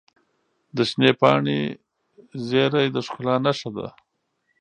د شنې پاڼې زیرۍ د ښکلا نښه ده.